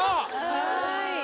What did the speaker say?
はい。